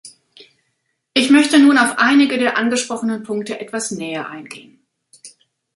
Ich möchte nun auf einige der angesprochenen Punkte etwas näher eingehen.